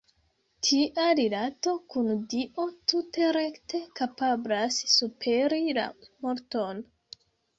Tia rilato kun Dio tute rekte kapablas superi la morton.